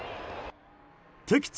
敵地